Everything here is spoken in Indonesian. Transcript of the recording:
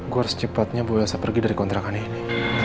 gue harus cepatnya bawa elsa pergi dari kontrakan ini